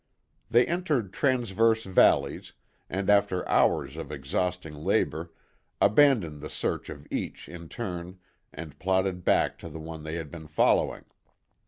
They entered transverse valleys, and after hours of exhausting labour, abandoned the search of each in turn and plodded back to the one they had been following.